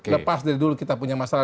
lepas dari dulu kita punya masalah